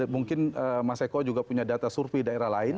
mungkin mas eko juga punya data survei daerah lain